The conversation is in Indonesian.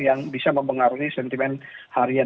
yang bisa mempengaruhi sentimen harian